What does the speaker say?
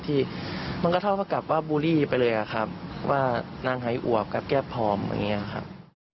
ที่มันก็เท่ากับว่าบูลลี่ไปเลยอะครับว่านางหายอวบกับแก้พร้อมอย่างนี้ครับ